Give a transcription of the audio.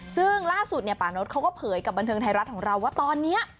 ซึ่งล่าสุดเนี่ยปานดเขาก็เผยกับบันเทิงไทยรัฐของเราว่าตอนนี้